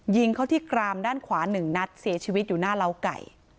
ยิงเขาที่กรามด้านขวา๑นัดเสียชีวิตอยู่หน้าเล้าไก่